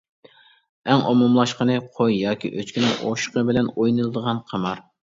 ئەڭ ئومۇملاشقىنى قوي ياكى ئۆچكىنىڭ ئوشۇقى بىلەن ئوينىلىدىغان قىمار.